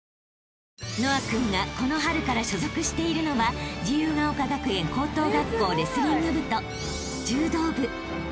［和青君がこの春から所属しているのは自由ヶ丘学園高等学校レスリング部と柔道部］